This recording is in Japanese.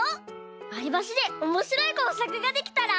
わりばしでおもしろいこうさくができたら。